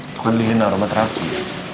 itu kan lilin aroma terakhir